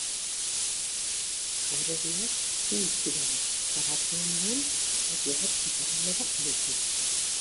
Jauregiak U itxura du eta barrenean patio bat iparraldera irekia.